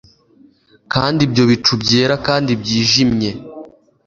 kandi ibyo bicu byera kandi byijimye